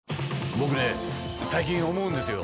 僕ね最近思うんですよ。